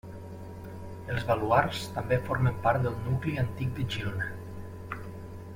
Els Baluards també formen part del nucli antic de Girona.